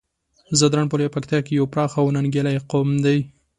ځدراڼ په لويه پکتيا کې يو پراخ او ننګيالی قوم دی.